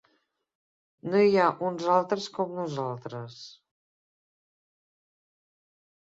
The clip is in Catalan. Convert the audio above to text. No hi ha uns altres com nosaltres.